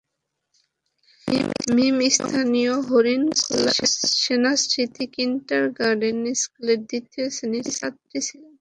মীম স্থানীয় হরিণখোলা সেনা স্মৃতি কিন্ডারগার্টেন স্কুলের দ্বিতীয় শ্রেণির ছাত্রী ছিল।